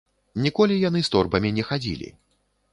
Ніколі яны з торбамі не хадзілі.